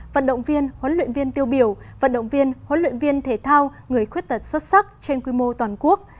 vận động viên huấn luyện viên tiêu biểu vận động viên huấn luyện viên thể thao người khuyết tật xuất sắc trên quy mô toàn quốc